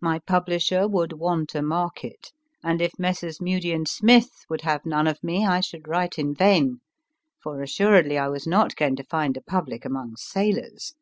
My pub lisher would want a market, and if Messrs. Mudie and Smith would have none of me I should write in vain ; for assuredly I was not going to find a public among sailors.